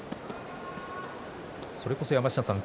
それこそ、山科さん